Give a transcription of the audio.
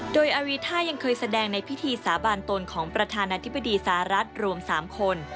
โดยอารีท่ายังเคยแสดงในพิธีสาบานตนของประธานาธิบดีสหรัฐรวม๓คน